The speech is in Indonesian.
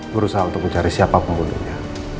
berusaha untuk mencari siapa pembunuhnya